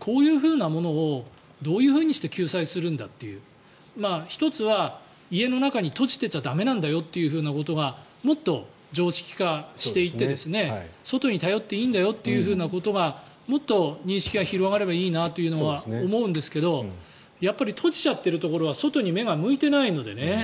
こういうふうなものをどう救済するんだという１つは、家の中に閉じてちゃ駄目なんだよということがもっと常識化していって外に頼っていいんだよということがもっと認識が広がればいいなとは思うんですけどやっぱり閉じちゃってるところは外に目が向いていないのでね。